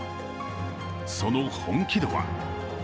その本気度は？